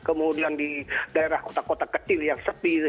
kemudian di daerah kota kota kecil yang sepi